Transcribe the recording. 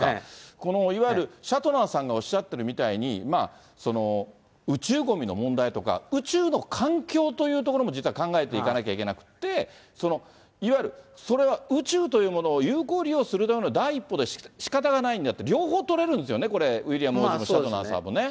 このいわゆる、シャトナーさんがおっしゃってるみたいに、宇宙ごみの問題とか、宇宙の環境というところも実は考えていかなきゃいけなくって、そのいわゆるそれは宇宙というものを有効利用するための第一歩でしかたがないんだと、両方取れるんですよ、これ、ウィリアム王子も、シャトナーさんもね。